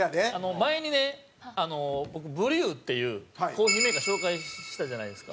前にね、僕、Ｂｒｅｗっていうコーヒーメーカー紹介したじゃないですか。